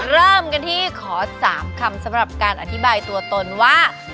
เริ่มกันที่ขอ๓คำสำหรับการอธิบายตัวตนว่า